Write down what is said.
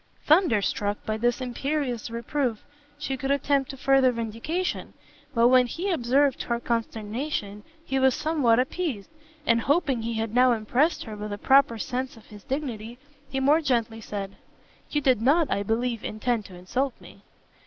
Thunderstruck by this imperious reproof, she could attempt no further vindication; but when he observed her consternation, he was somewhat appeased, and hoping he had now impressed her with a proper sense of his dignity, he more gently said, "You did not, I believe, intend to insult me."